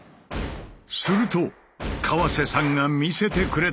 すると川瀬さんが見せてくれたのが。